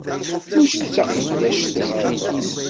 Mačči d taqeddact nekkini.